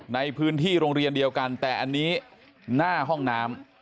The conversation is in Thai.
ในพื้นที่โรงเรียนเดียวกันแต่อันนี้หน้าห้องน้ำ